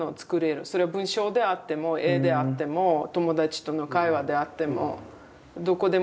それは文章であっても絵であっても友達との会話であってもどこでもいいです。